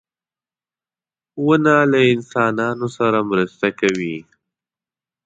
• ونه له انسانانو سره مرسته کوي.